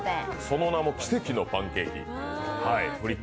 その名も奇跡のパンケーキ。